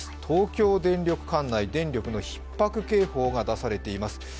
東京電力管内、電力のひっ迫警報が出されています。